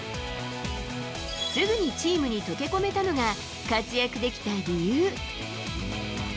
すぐにチームに溶け込めたのが、活躍できた理由。